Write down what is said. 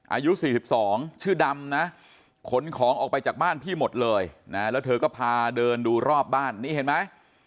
อายุ๔๒ชื่อดำนะขนของออกไปจากบ้านพี่หมดเลยนะแล้วเธอก็พาเดินดูรอบบ้านนี่เห็นไหม